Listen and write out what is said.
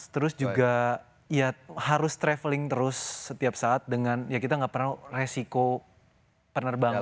terus juga ya harus traveling terus setiap saat dengan ya kita nggak pernah resiko penerbangan